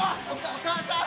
お母さん！